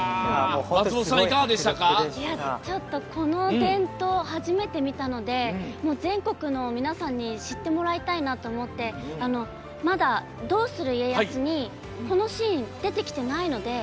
ちょっと、この伝統を初めて見たので全国の皆さんに知ってもらいたいなと思ってまだ「どうする家康」にこのシーン、出てきてないので。